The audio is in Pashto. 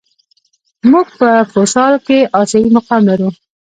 موږ په فوسال کې آسیايي مقام لرو.